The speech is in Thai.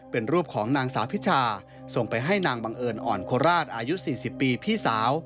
เป็นรูปของนางสาวพิชาส่งไปให้นางบังเอิญอ่อนโคราชอายุ๔๐ปีพี่สาว